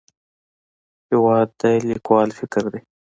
هېواد د لیکوال فکر دی.